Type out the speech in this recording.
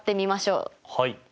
はい。